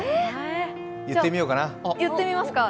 言ってみようかな。